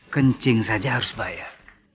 kencing saja harus bayar